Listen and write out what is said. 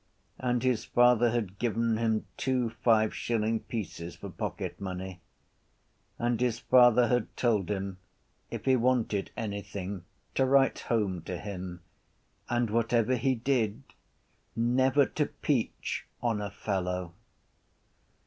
And his father had given him two five shilling pieces for pocket money. And his father had told him if he wanted anything to write home to him and, whatever he did, never to peach on a fellow.